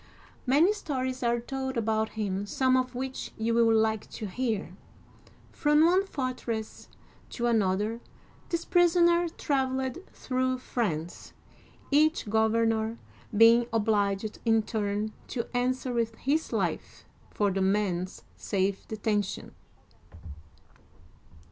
Many stories are told about him, some of which you will like to hear. From one fortress to another this prisoner traveled through France, each governor being obliged in turn to answer with his life for the man's safe detention.